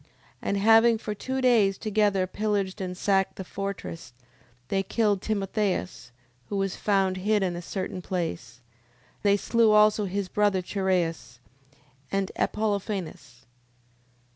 10:37. And having for two days together pillaged and sacked the fortress, they killed Timotheus, who was found hid in a certain place: they slew also his brother Chereas, and Apollophanes.